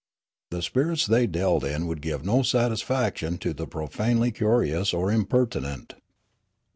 The spirits they dealt in would give no satisfac tion to the profanely curious or impertinent.